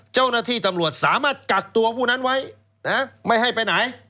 เจ้าหน้าที่ตำรวจสามารถกักตัวผู้นั้นไว้ไม่ให้ไปไหน